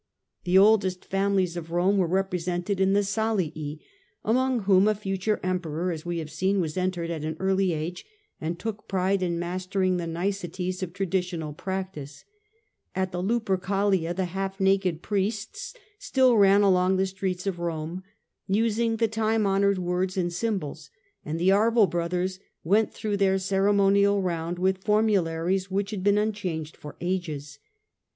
The oldest families of Rome were represented in the Salii, among whom a future Emperor, as we have seen, was entered at an early age, and took pride in mastering the niceties of traditional practice ; at the Lupercalia the half naked priests still ran along the streets of Rome, using the time honoured words and symbols ; and the Arval Brothers went through their ceremonial round with formularies which had been unchanged for ages.